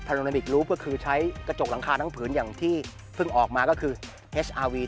เพื่อคือใช้กระจกหลังคาทั้งผืนอย่างที่เพิ่งออกมาก็คือตัว